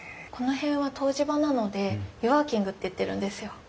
この辺は湯治場なので「湯ワーキング」っていってるんですよ。